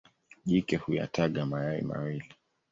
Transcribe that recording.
Jike huyataga mayai mawili.